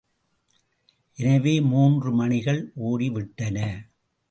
எனவே மூன்று மணிகள் ஒடிவிட்டன.